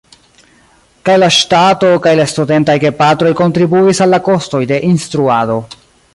Kaj la ŝtato kaj la studentaj gepatroj kontribuis al la kostoj de instruado.